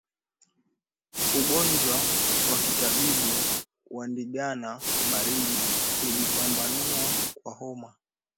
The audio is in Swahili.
Ungojwa wa kitabibu wa ndigana baridi hujipambanua kwa homa